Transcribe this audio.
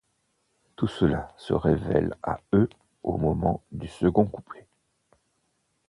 Tout cela se révèle à eux au moment du second couplet.